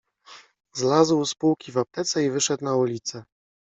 Zlazł z półki w aptece i wyszedł na ulicę.